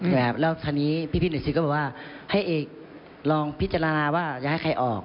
แล้วคราวนี้พี่หน่วยซิก็บอกว่าให้เอกลองพิจารณาว่าจะให้ใครออก